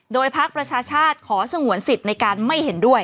โดยพักประชาชาติขอสงวนสิทธิ์ในการไม่เห็นด้วย